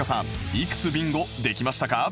いくつビンゴできましたか？